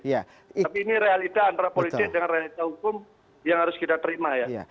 tapi ini realita antara politik dengan realita hukum yang harus kita terima ya